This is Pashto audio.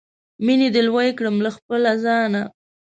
مینې دې لوی کړم له خپله ځانه